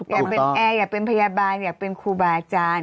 อยากเป็นแอร์อยากเป็นพยาบาลอยากเป็นครูบาอาจารย์